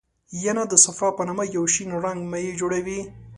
ینه د صفرا په نامه یو شین رنګه مایع جوړوي.